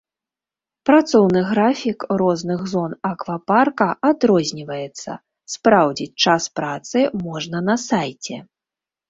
Працоўны графік розных зон аквапарка адрозніваецца, спраўдзіць час працы можна на сайце.